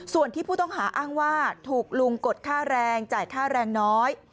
ส่วนที่ผู้ต้องหาอ้างว่าถูกลุงกดค่าแรงจ่ายค่าแรงน้อย